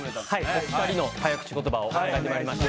お２人の早口言葉を考えてまいりました。